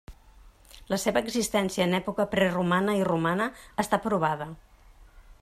La seva existència en època preromana i romana està provada.